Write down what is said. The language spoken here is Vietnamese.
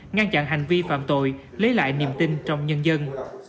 ngăn chặn hành vi phạm tội lấy lại niềm tin trong nhân dân